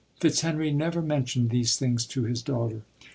Fitzhenry never men tioned these things to his daughter.